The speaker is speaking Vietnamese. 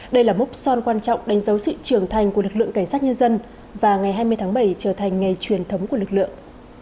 đây là mốc son quan trọng đánh dấu sự trưởng thành của lực lượng cảnh sát nhân dân và ngày hai mươi tháng bảy trở thành ngày truyền thống của lực lượng